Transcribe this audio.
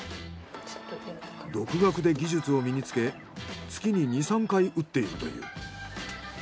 独学で技術を身につけ月に２３回打っているという。